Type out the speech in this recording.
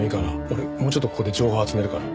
俺もうちょっとここで情報集めるから。